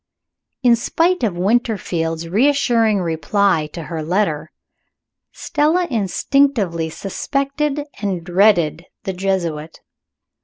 In spite of Winterfield's reassuring reply to her letter, Stella instinctively suspected and dreaded the Jesuit.